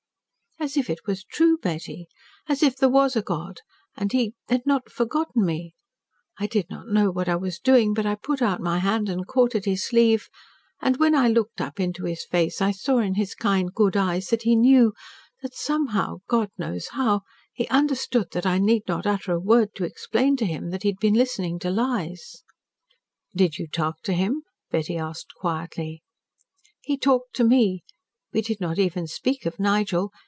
"As if it was true, Betty! As if there was a God and He had not forgotten me. I did not know what I was doing, but I put out my hand and caught at his sleeve, and when I looked up into his face, I saw in his kind, good eyes, that he knew that somehow God knows how he understood and that I need not utter a word to explain to him that he had been listening to lies." "Did you talk to him?" Betty asked quietly. "He talked to me. We did not even speak of Nigel.